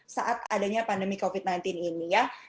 saat adanya pandemi covid sembilan belas ini ya